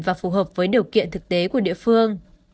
và phù hợp với điều kiện thực tế của địa phương